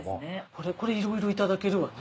これいろいろいただけるわね。